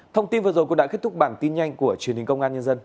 thông tin vừa rồi cũng đã kết thúc bản tin nhanh của truyền hình công an nhân dân